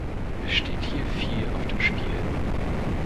Es steht hier viel auf dem Spiel.